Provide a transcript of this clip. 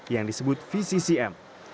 yang disebut vccm